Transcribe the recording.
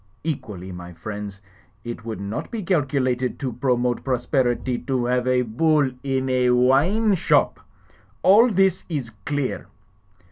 Equally, my friends, it would not be calculated to pro mote prosperity to have a Bull in a wine shop. All this is clear."